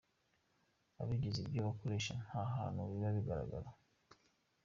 Ibigize ibyo bikoresho nta hantu biba bigaragara.